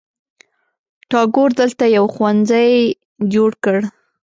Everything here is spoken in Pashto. ټاګور دلته یو ښوونځي جوړ کړ.